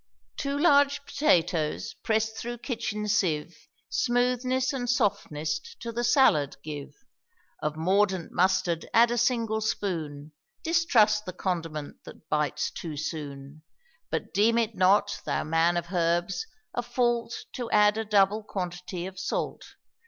Two large potatoes, pressed through kitchen sieve, Smoothness and softness to the salad give; Of mordant mustard add a single spoon; Distrust the condiment that bites too soon; But deem it not, thou man of herbs, a fault, To add a double quantity of salt.